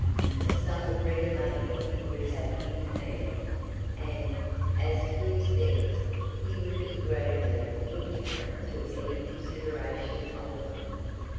A sum of ready money he would have in hand; and, as to his debts, he would be grandly indifferent to any consideration of them.